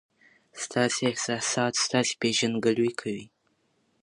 ستاسي احساسات ستاسي پېژندګلوي کوي.